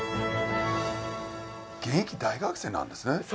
現役大学生なんですね？